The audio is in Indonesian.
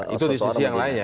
itu di sisi yang lain ya